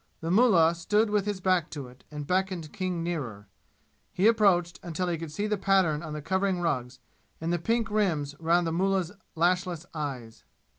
The mullah stood with his back to it and beckoned King nearer. He approached until he could see the pattern on the covering rugs, and the pink rims round the mullah's lashless eyes.